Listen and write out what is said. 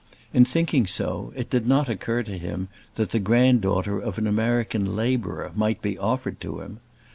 In thinking so it did not occur to him that the granddaughter of an American labourer might be offered to him.